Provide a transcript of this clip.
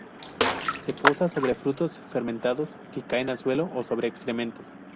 Se posa sobre frutos fermentados que caen al suelo, o sobre excrementos.